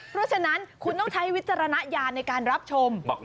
เพราะฉะนั้นคุณต้องใช้วิจารณญาณในการรับชม